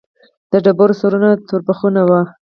د ډبرو سرونه توربخوني وو.